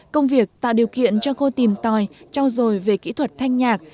công việc tạo điều kiện cho cô tìm tòi trao dồi về kỹ thuật thanh nhạc